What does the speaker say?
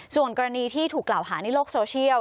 ส่วนกรณีที่ถูกกล่าวหาในโลกโซเชียล